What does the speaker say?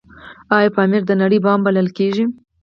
آیا پامیر د نړۍ بام بلل کیږي؟